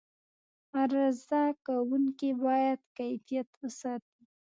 عرضه کوونکي باید کیفیت وساتي.